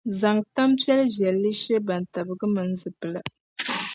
zaŋ tani piɛlli viɛlli she bantabiga minii zuɣupila.